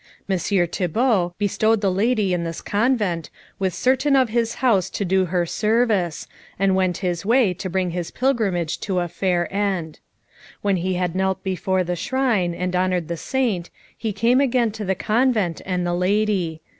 Messire Thibault bestowed the lady in this convent, with certain of his house to do her service, and went his way to bring his pilgrimage to a fair end. When he had knelt before the shrine, and honoured the Saint, he came again to the convent and the lady.